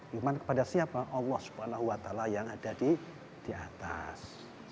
cuman kepada siapa allah swt yang ada di atas